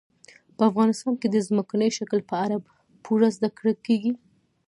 په افغانستان کې د ځمکني شکل په اړه پوره زده کړه کېږي.